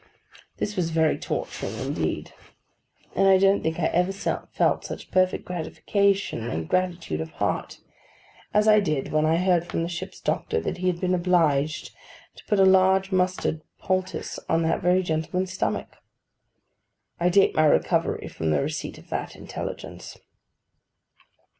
This was very torturing indeed; and I don't think I ever felt such perfect gratification and gratitude of heart, as I did when I heard from the ship's doctor that he had been obliged to put a large mustard poultice on this very gentleman's stomach. I date my recovery from the receipt of that intelligence.